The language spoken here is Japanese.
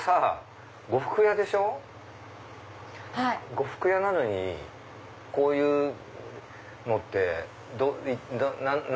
呉服屋なのにこういうのって何で？